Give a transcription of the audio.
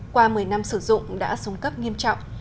qua một mươi năm sử dụng đã xuống cấp nghiêm trọng